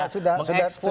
sudah terjadi sekarang